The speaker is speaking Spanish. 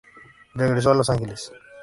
Regresó a Los Ángeles.